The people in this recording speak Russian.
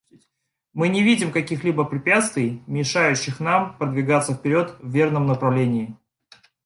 Мы не видим каких-либо препятствий, мешающих нам продвигаться вперед в верном направлении.